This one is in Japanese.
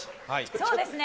そうですね。